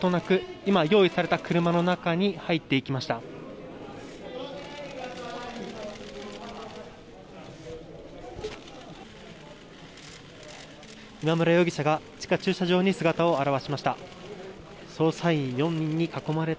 今村容疑者が地下駐車場に姿を現しました。